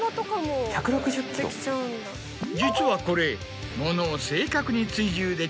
実はこれ。